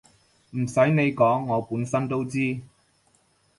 唔洗你講我本身都知